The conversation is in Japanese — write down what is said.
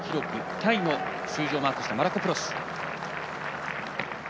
タイの数字をマークしたマラコプロス。